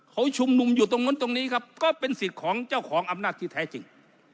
เขาชุมนุมอยู่ตรงนู้นตรงนี้ครับก็เป็นสิทธิ์ของเจ้าของอำนาจที่แท้จริง